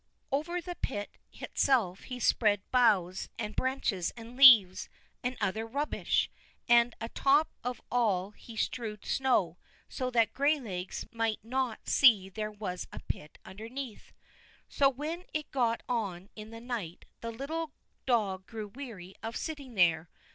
Over the pit itself he spread boughs and branches and leaves, and other rubbish, and a top of all he strewed snow, so that Graylegs might not see there was a pit underneath. So when it got on in the night, the little dog grew weary of sitting there.